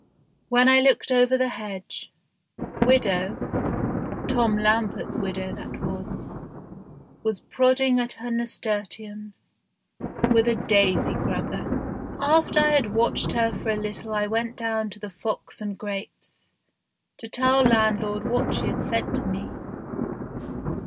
When I looked over the hedge, widow Tom Lamport's widow that was was prodding for her nasturtiums 4 THE GHOST SHIP with a daisy grubber. After I had watched her for a little I went down to the " Fox and Grapes " to tell landlord what she had said to me.